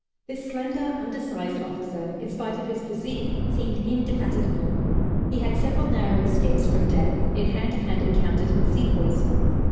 This slender, undersized officer, in spite of his physique, seemed indefatigable. He had several narrow escapes from death, in hand to hand encounters with sepoys.